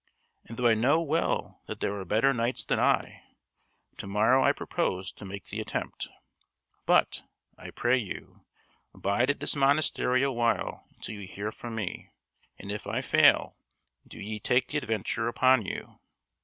And though I know well that there are better knights than I, to morrow I purpose to make the attempt. But, I pray you, bide at this monastery a while until you hear from me; and if I fail, do ye take the adventure upon you."